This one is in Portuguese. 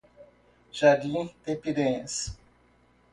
Jardim de Piranhas